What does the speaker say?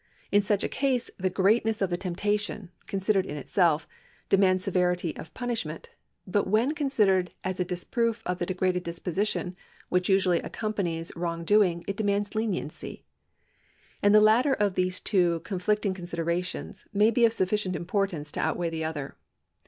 In such a case the greatness of the temptation, considered in itself, demands severity of punishment, but when considered as a disproof of the degraded disposition which usually accompanies wrong doing it demands leniency ; and the latter of these two con flicting considerations may be of sufficient importance to outweigh the other.